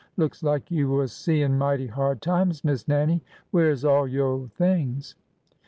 " Looks like you was seein' mighty hard times. Miss Nan nie. Where 's all yo' things